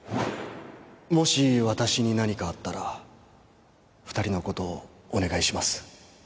もし私に何かあったら２人のことをお願いします